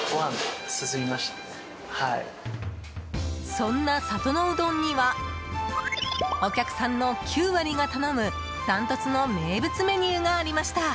そんな里のうどんにはお客さんの９割が頼むダントツの名物メニューがありました。